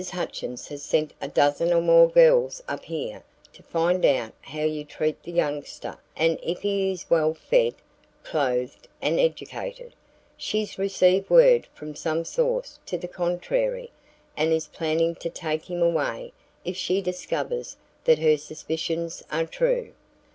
Hutchins has sent a dozen or more girls up here to find out how you treat the youngster and if he is well fed, clothed and educated. She's received word from some source to the contrary and is planning to take him away if she discovers that her suspicions are true.